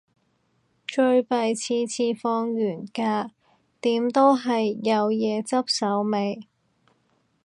最弊次次放完假，點都係有嘢執手尾